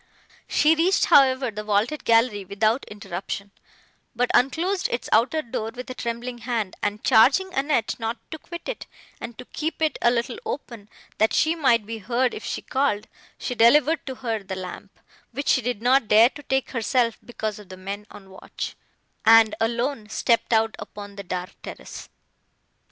She reached, however, the vaulted gallery, without interruption, but unclosed its outer door with a trembling hand, and, charging Annette not to quit it and to keep it a little open, that she might be heard if she called, she delivered to her the lamp, which she did not dare to take herself because of the men on watch, and, alone, stepped out upon the dark terrace.